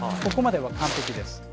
ここまでは完璧です。